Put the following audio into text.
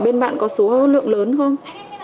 bên bạn có số lượng lớn không